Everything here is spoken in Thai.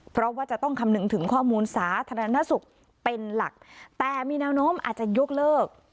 เพราะว่าจะต้องคำนึงถึงข้อมูลสาธารณสุขเป็นหลักแต่มีแนวโน้มอาจจะยกเลิก